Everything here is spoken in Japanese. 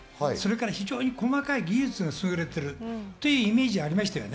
非常に細かい技術がそろっているというイメージがあります。